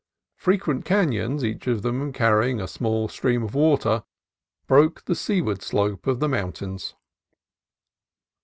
Frequent canons, each of them carrying a small stream of water, broke the seaward slope of the moun tains.